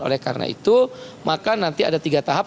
oleh karena itu maka nanti ada tiga tahap